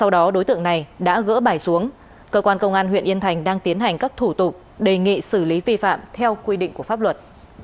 đã gỡ bài xuống cơ quan công an huyện yên thành đang tiến hành các thủ tục đề nghị xử lý vi phạm theo quy định của pháp luật